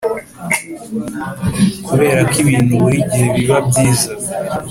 kuberako ibintu buri gihe biba byiza.